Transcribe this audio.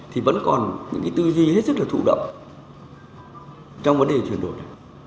thì vẫn còn những cái tư duy hết sức là thụ động trong vấn đề chuyển đổi này